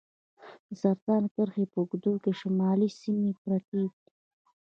د سرطان کرښې په اوږدو کې شمالي سیمې پرتې دي.